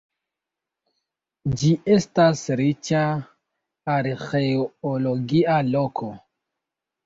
Ĝi estas riĉa arĥeologia loko.